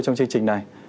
trong chương trình này